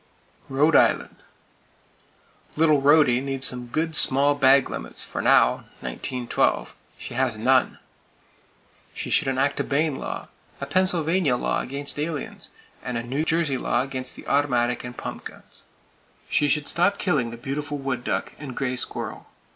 Rhode Island: Little Rhody needs some good, small bag limits; for now (1912) she has none! [Page 296] She should enact a Bayne law, a Pennsylvania law against aliens, and a New Jersey law against the automatic and pump guns. She should stop killing the beautiful wood duck, and gray squirrel.